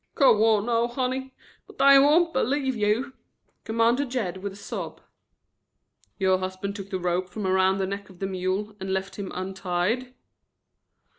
"Go on, now, honey, but they won't believe you," commanded Jed with a sob. "Your husband took the rope from around the neck of the mule and left him untied?"